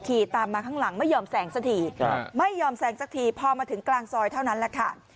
ขี่ตามมาข้างหลังไม่ยอมแสงสักทีไม่ยอมแสงสักทีพอมาถึงกลางซอยเท่านั้นแหละค่ะ